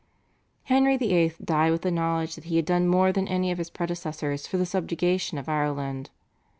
Henry VIII. died with the knowledge that he had done more than any of his predecessors for the subjugation of Ireland.